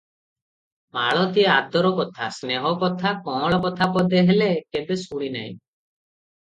ମାଳତୀ ଆଦର କଥା, ସ୍ନେହ କଥା, କଅଁଳ କଥା ପଦେ ହେଲେ କେବେ ଶୁଣି ନାହିଁ ।